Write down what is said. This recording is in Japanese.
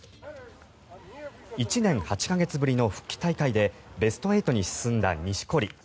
１年８か月ぶりの復帰大会でベスト８に進んだ錦織。